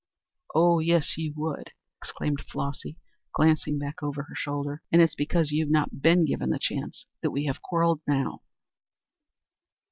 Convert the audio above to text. "Oh, yes you would," exclaimed Flossy, glancing back over her shoulder. "And it's because you've not been given the chance that we have quarrelled now."